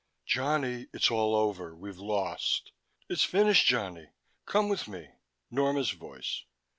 "Johnny, it's all over, we've lost, it's finished. Johnny, come with me." Norma's voice.